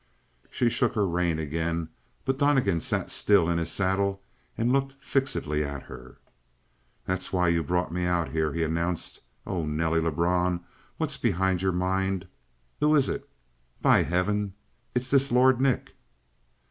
She shook her rein again, but Donnegan sat still in his saddle and looked fixedly at her. "That's why you brought me out here," he announced. "Oh, Nelly Lebrun, what's behind your mind? Who is it? By heaven, it's this Lord Nick!"